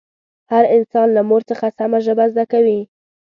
هر انسان له مور څخه سمه ژبه زده کوي